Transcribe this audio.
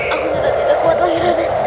aku sudah tidak kuat lagi nanti